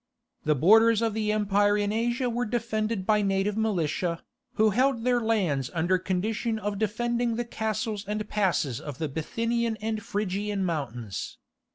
The borders of the empire in Asia were defended by a native militia, who held their lands under condition of defending the castles and passes of the Bithynian and Phrygian mountains.